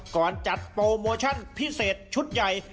ก่อนจัดโปรโมชั่นพิเศษชุดใหญ่